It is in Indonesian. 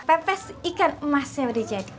pepes ikan emasnya udah jadi